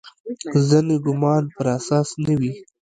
ظن ګومان پر اساس نه وي.